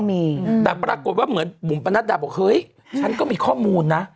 มีแต่ปรากฏว่าเหมือนบุ๋มประนัดดาบอกเฮ้ยฉันก็มีข้อมูลนะ